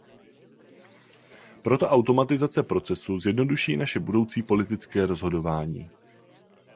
Proto automatizace procesu zjednoduší i naše budoucí politické rozhodování.